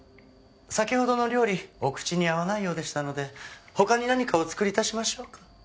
先ほどの料理お口に合わないようでしたので他に何かお作り致しましょうか？